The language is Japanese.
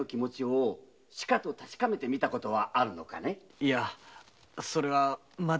いやそれはまだ。